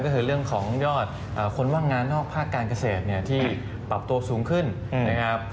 ก็คือเรื่องของยอดคนว่างงานนอกภาคการเกษตรเนี่ยที่ปรับตัวสูงขึ้นนะครับ